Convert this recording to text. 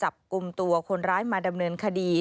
จับกลุ่มตัวคนร้ายมาดำเนินคดี